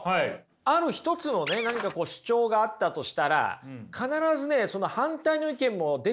ある一つのね何か主張があったとしたら必ずねその反対の意見も出てくるんですよ。